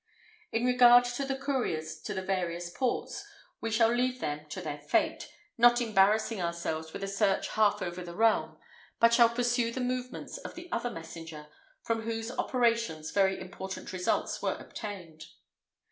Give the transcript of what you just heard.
In regard to the couriers to the various ports, we shall leave them to their fate, not embarrassing ourselves with a search half over the realm, but shall pursue the movements of the other messenger, from whose operations very important results were obtained.